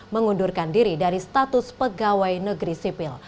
mengundurkan diri dari status pegawai negeri sipil